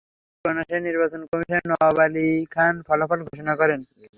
Vote গণনা শেষে নির্বাচন কমিশনার নওয়াব আলী খান ফলাফল ঘোষণা করেন।